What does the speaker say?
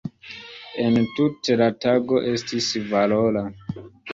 Entute la tago estis valora.